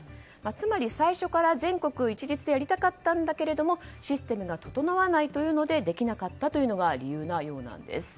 つまり、最初から全国一律でやりたかったんだけどもシステムが整わないというのでできなかったということが理由のようです。